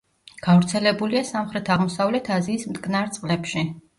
გავრცელებულია სამხრეთ-აღმოსავლეთ აზიის მტკნარ წყლებში.